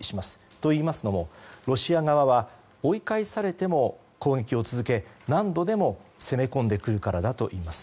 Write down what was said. といいますのも、ロシア側は追い返されても攻撃を続け何度でも攻め込んでくるからだといいます。